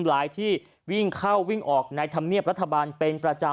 หลายที่วิ่งเข้าวิ่งออกในธรรมเนียบรัฐบาลเป็นประจำ